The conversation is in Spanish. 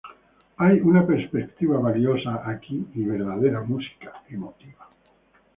Hay una perspectiva valiosa aquí, y verdadera música emotiva.